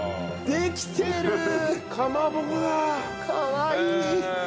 かわいい！